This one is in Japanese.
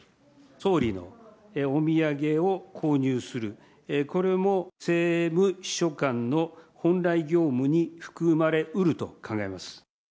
総理のお土産を購入する、これも政務秘書官の本来業務に含まれうると考えます。